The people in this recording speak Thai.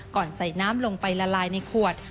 ใส่น้ำลงไปละลายในขวด